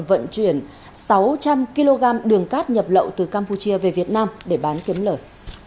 vận chuyển sáu trăm linh kg đường cát nhập lậu từ campuchia về việt nam để bán kiếm lời